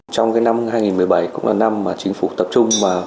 trong năm hai nghìn một mươi bảy cũng là năm mà chính phủ tập trung vào